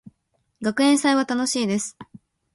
学園祭は楽しいです。